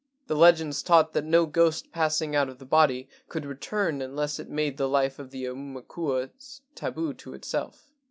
The legends taught that no ghost passing out of the body could return unless it made the life of the aumakuas tabu to itself.